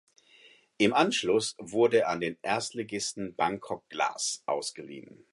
Im Anschluss wurde er an den Erstligisten Bangkok Glass ausgeliehen.